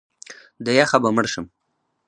د یخه به مړ شم!